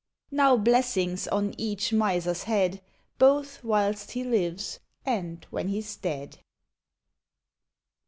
Now, blessings on each Miser's head, Both whilst he lives and when he's dead.